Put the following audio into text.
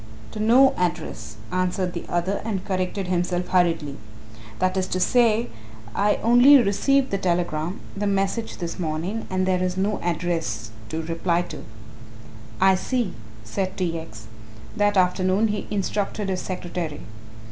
"To no address," answered the other and corrected himself hurriedly; "that is to say I only received the telegram the message this morning and there is no address to reply to." "I see," said T. X. That afternoon he instructed his secretary.